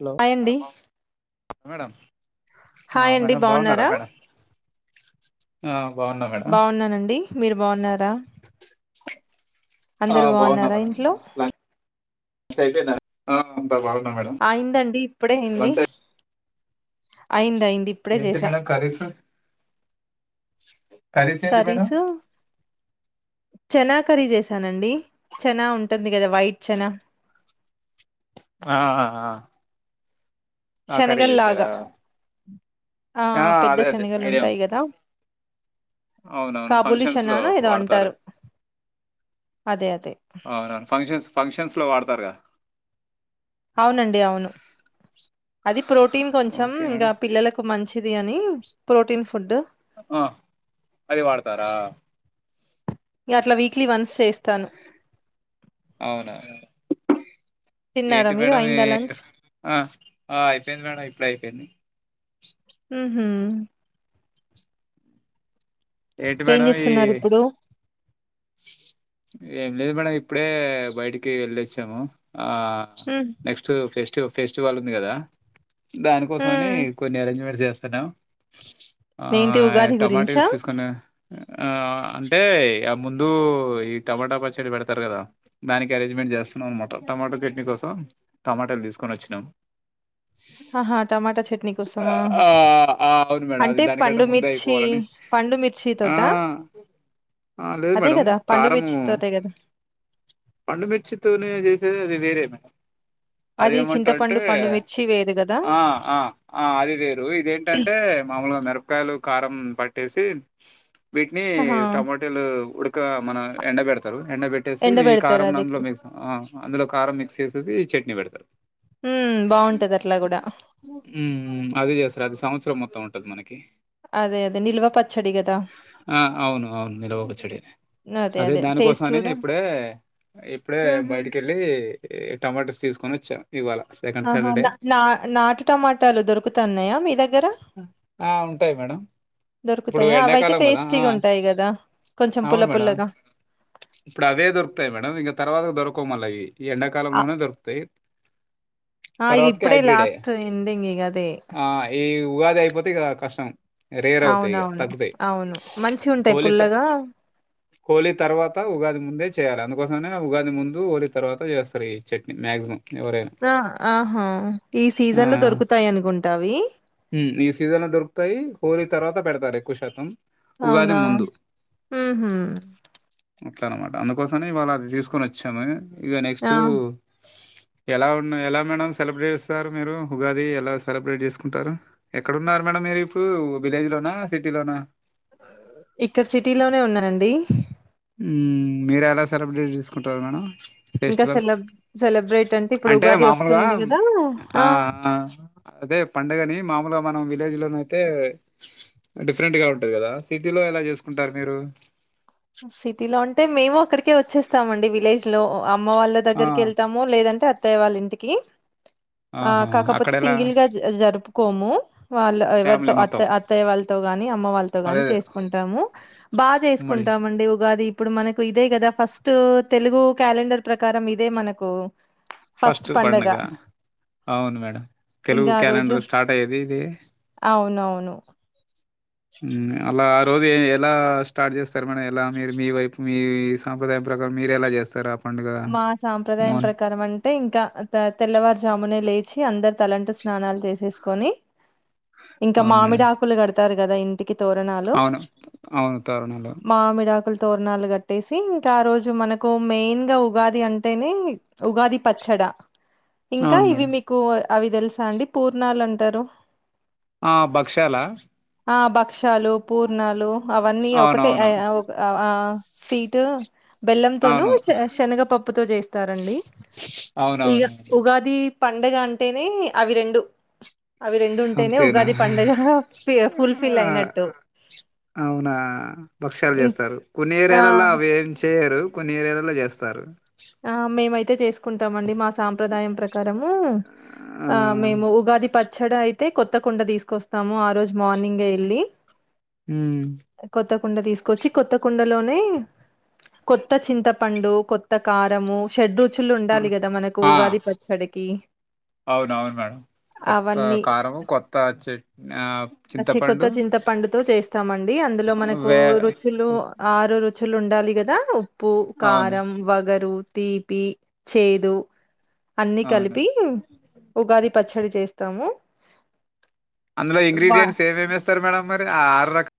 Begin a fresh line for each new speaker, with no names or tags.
Hello
hi అండి
madam
hi అండి
madam బాగున్నారా మేడం ఆ బాగున్నా మేడం
బాగున్నానండి మీరు బాగున్నారా
ఆ
అందరు
బాగున్నా
బాగున్నారా
మేడం
ఇంట్లో
అయితే
అయిందండి ఇప్పుడే అయింది
లంచ్
అయింది అయింది ఇప్పుడే
ఏంటి
చేసా
మేడం కర్రీస్ కర్రీస్ ఏంటి మేడం
కర్రీసు చెనా కర్రీస్ వేస్త తానండి చనా ఉంటుంది కదా వైట్ చనా
ఆ ఆ కర్రీ
శనగల్లాగా
చేసారా
ఆ పెద్ద
అదే అదే
శనగలు
ఐడియా
ఉంటాయి
ఉంది
కదా
అవునవును
కాబులి
ఫంక్షన్స్ లో
షనాను ఏదో
వాడతారు
అంటారు అదే అదే
అవునను ఫంక్షన్స్ ఫంక్షన్స్ లో వాడతారుగా
అవునండి అవును అది ప్రోటీన్ కొంచెం
ఓకే మేడం
ఇంకా పిల్లలకు మంచిది అని ప్రోటీన్ ఫుడ్
ఆ అది వాడతారా
యా అట్లా వీక్లీ వన్స్ చేస్తాను
అవునా
తిన్నారా
ఏంటి
మీరు
మేడం
అయిందా లంచ్
ఆ ఆ అయిపోయింది మేడం ఇప్పుడే అయిపోయింది
ఊహు
ఏంటి
ఏం
మేడం ఈ
చేస్తున్నారు ఇప్పుడు
ఏం లేదు మేడ ఇప్పుడే బయటికి వెళ్ళొచ్చాము ఆ
హ్మ్
నెక్స్ట్ ఫెస్ట్ ఫెస్టివల్ ఉంది కదా దానికోసంని
హ్మ్
కొన్ని అరేంజ్మెంట్స్ చేస్తున్నాం ఆ
ఏంటి ఉగాది గురించా?
టమాటస్ తీసుకుని ఆ ఆ అంటే ఆ ముందు ఈ టమాటా పచ్చడి పెడతారు కదా దానికి అరేంజ్మెంట్ చేస్త మొటా టమాటో చట్నీ కోసం టమాటాలు తీసుకొని వచ్చినాం
ఆహా! టమాటా చట్నీ కోసమా?
ఆ అవును మేడం అది
అంటే
దానికంటే
పండు
ముందే
మిర్చి
అయిపోవాలని
పండు మిర్చి
ఆ
తోటా?
ఆ లేదు
అదే
మేడం
గదా! పండు
కారము
మిర్చి తోటే గదా!
పండుమిర్చితోనే చేసేది అది వేరేమి అది ఏమంటారంటే
చింతపండు, పండు మిర్చి వేరు గదా!
ఆ ఆ ఆ అది వేరు ఇదేంటంటే మామూలుగా మిరపకాయలు కారం పట్టేసి వీటిని
ఆహా!
టమటలు ఉ ఇకా మనం ఎండ పెడతారు ఎండ పెట్టేసి ఈ
ఎండబెడతారు
కారం
అది.
నందులో మిచి అందులో కారం మిక్స్ చేసేసి చట్నీ పెడతారు
హ్మ్. బావుంటది అట్లా గూడా.
అది చేస్తారు అది సంవత్సరం మొత్తం ఉంట ఉంటది మనకి
అదే అదే నిల్వ పచ్చడి కదా
ఆ అవును అవును నిల్వ చెడి అదే దానికోసమని ఇప్పుడే ఇప్పుడే
హుహు.
బయటికి వెళ్ళి టమాటోస్ తీసుకొని వచ్చాం
ఆహా నా నా నాటు టమాటాలు దొరుకుతున్నాయా మీ దగ్గర
ఆ ఉంటాయి మేడం ఇప్పుడు
దొరుకుతాయా? అవైతే
ఎండాకాలం కదా ఆ
టేస్టీగుంటాయి గదా! కొంచెం పుల్ల
అవును మేడం
పుల్లగా.
ఇప్పుడు అవే దొరకుతాయి మేడం ఇకా తర్వాత దొరు కోమలే ఈ
ఆ
ఎండాకాలంలోనే దొరుకుతాయి
ఆ
తర్వాతకి
ఇప్పుడే
హైబ్రిడ
లాస్ట్ ఎండింగ్ ఇగ అదే
ఆ ఈ ఉగాది అయిపోతే ఇగ కష్టం రేర్ అవుతాయి ఈగ
అవునవును
తగ్దే
అవును మంచిగుంటాయి
హోలీత
పుల్లగా
హోలీ తర్వాత ఉగాది ముందే చేయాలి అందుకోసమే ఉగాది ముందు హోలీ తర్వాత చేస్తారు ఈ చట్నీ మాక్సిమం ఎవరైనా
ఆ ఆహా ఈ
ఆ
సీజన్ లో దొరుకుతాయి అనుకుంటావి
నీ సీజన్ లో దొరుకుతాయి హోలీ తర్వాత పెడతారు ఎక్కువ శాతం ఉగాది
అవునా
ముందు
హు హు
ఉతారు అనమాట అందుకోసమ ఇవాళ అది తీసుకొని వచ్చాము ఇక
ఆ
నెక్స్ట్ ఎలా ఉన్నా ఎలా మేడం సెలబ్రేట్ చేస్తారు మీరు ఉగాది ఎలా సెలబ్రేట్ చేసుకుంటారు ఎక్కడన్నారు మేడం మీరు ఇప్పుడు విలేజ్ లోనా సిటీ లోనా
ఇక్కడ సిటీ లోనే ఉన్నారండి
ఉమ్ మీరు ఎలా సెలబ్రేట్ చేసుకుంటారు మేడం
ఇంకా
ఫెస్టివల్స్
సెలబ్ సెలబ్రేట్ ఇప్పుడు
అంటే
ఉగాది
మామూలుగా
వస్తుంది కదా
ఆ అదే పండగని మామూలుగా మనం విలేజ్ లో నైతే డిఫరెంట్ గా ఉంటది గదా సిటీ లో ఎలా చేసుకుంటారు మీరు
సిటీ లో అంటే మేము అక్కడికే వచ్చేస్తామండి విలేజ్ లో అమ్మ వాళ్ళ
ఆ
దగ్గరికి యెళ్తాము లేదంటే అత్తయ్య వాళ్ళ ఇంటికి ఆ
ఆహా అక్కడ
కాకపోతే
ఎలా
సింగిల్ గా జరుపుకోము వాళ్ళ ఎవరితో
ఫ్యామిలీ
అత్త
మొత్తం
అత్తయ్య వాళ్ళతో వాని అమ్మ వాళ్ళతో
అదే
గాని
అదే
చేసుకుంటాము బాగా
ఉమ్మడి
చేసుకుంటామండి ఉగాది ఇప్పుడు మనకు ఇదే గదా ఫస్ట్ తెలుగు క్యాలెండర్ ప్రకారం ఇదే మనకు
ఫస్ట్ పండగ అవును మేడం తెలుగు
ఇంకా ఆ రోజు
క్యాలెండర్ స్టార్ట్ అయ్యేది ఇది
అవునవును
ఉమ్ అలా ఆ రోజు ఎలా స్టార్ట్ చేస్తారు మన ఎలా మీరు మీ వైపు మీ సాంప్ర దాయం ప్రకారం మీరు ఎలా జేస్తారు.
మా సాంప్రదాయం ప్రకారం అంటే ఇంకా తెల్లవారుజాము పొద్దున లేచి అందరు తలంటు స్నానాలు చేసేసుకొని ఇంకా
అవును మేడం.
మామిడి ఆకులు కడతారు. గదా ఇంటికి తోరణాలు
అవును. అవును తోరణాలు.
మామిడాకులు తోరణాలు గట్టేసి ఇంకా ఆ రోజు మనకు మెయిన్ గా ఉగాది అంటేనే ఉగాది పచ్చడా ఇంకా
అవును
ఇవి
మేడం.
మీకు అవి దెలుసా అండి పూర్ణాలు అంటారు.
ఆ భక్ష్యాలా
ఆ భక్ష్యాలు పూర్ణాలు అవన్నీ ఒకటే
అవునవును.
ఆ స్వీటు బెల్లంతోను
అవును.
శనగ పప్పుతో చేస్తారండి ఇగ
అవునవునవును.
ఉగాది పండుగ అంటేనే అవి రెండు అవి రెండు ఉంటేనే
అంతేనా?
ఉగాది పండగ ఫుల్ ఫిల్
ఆ!
అయినట్టు
అవునా భక్ష్యాలు
ఇం-
చేస్తారు. కొన్ని
ఆ
ఏరియాలలో అవి ఏం చేయరు. కొన్ని ఏరియాలలో చేస్తారు.
ఆ మేమైతే చేసుకుంటామండి మా సాంప్రదాయం ప్ర కారము
ఆ!
మేము ఉగాది పచ్చ పచ్చడ అయితే కొత్త కుండ తీసుకొస్తాము ఆ రోజు మార్నింగే యెళ్ళి
ఉమ్
కుండ తీసుకొచ్చి కొత్త కుండలోనే కొత్త చింతపండు కొత్త కారము షడ్రుచులు ఉండాలి గదా మనకు ఉగాది పచ్చడికి
అవును అవును మేడం కొత్త
అవన్నీ
కారము కొత్త చెట్ ఆ
చి కొత్త
చింతపండు
చింతపండుతో చేస్తామండి అందులో మనకు
వే
రుచులు ఆరు రుచులు ఉండాలి గదా ఉప్పు
అవును
కారం వ వగరు తీపి చేదు అన్ని
అవును
కలిపి ఉగాది ప చ్చడి చేస్తాము.
అందులో
వా
ఇంగ్రీడియంట్స్ ఏమేమి యేస్తారు మేడం మరి ఆరు రకాల